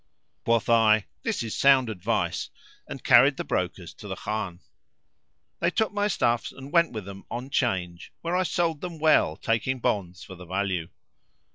Quoth I, "This is sound advice," and carried the brokers to the Khan. They took my stuffs and went with them on 'Change where I sold them well taking bonds for the value.